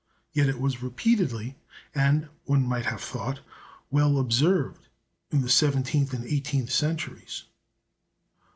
Yet it was repeatedly and, one might have thought, well observed in the seventeenth and eighteenth centuries.